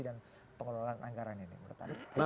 dan pengelolaan anggaran ini